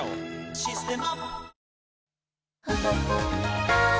「システマ」